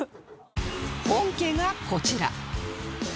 本家がこちら